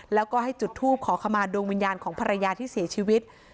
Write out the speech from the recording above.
แล้วก็ให้จุดทูปขอขมาดวงวิญญาณของภรรยาที่เสียชีวิต